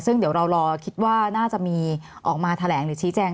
ซึ่งเดี๋ยวเรารอคิดว่าน่าจะมีออกมาแถลงหรือชี้แจง